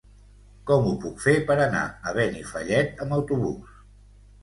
Com ho puc fer per anar a Benifallet amb autobús?